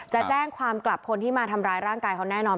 จะแจ้งความกลับคนที่มาทำร้ายร่างกายเขาแน่นอน